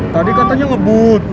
tadi katanya ngebut